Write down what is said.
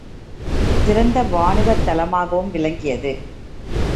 சிறந்த வாணிபத் தலமாகவும் விளங்கியது.